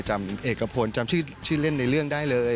เอกพลจำชื่อเล่นในเรื่องได้เลย